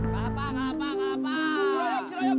semarang semarang semarang